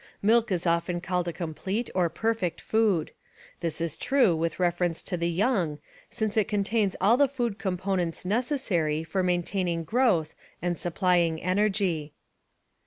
Milk is often called a complete or perfect food. This is true with reference to the young since it contains all the food components necessary for maintaining growth and supplying energy.